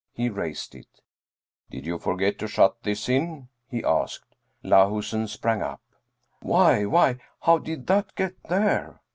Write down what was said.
He raised it. " Did you forget to shut this in ?" he asked. Lahusen sprang up. " Why why, how did that get there